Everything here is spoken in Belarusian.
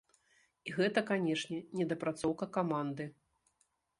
І гэта, канешне, недапрацоўка каманды.